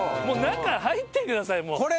もう中入ってくださいもう。